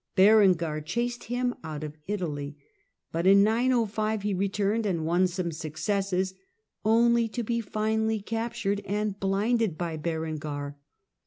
Berengar chased him out of Italy, but in 905 he returned and won some successes, only to be finally captured and blinded by Berengar.